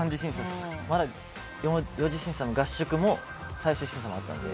まだ４次審査の合宿も最終審査もあったので。